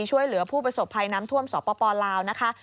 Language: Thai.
ช่วยเหลือผู้ประสบภัยน้ำท่วมสปลาวนะคะ